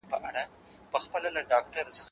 زه هره ورځ کښېناستل کوم!؟